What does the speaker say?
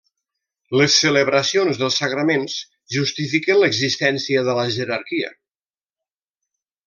Les celebracions dels sagraments justifiquen l'existència de la jerarquia.